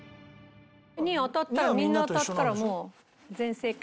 ２位当たったらみんな当たったらもう全正解。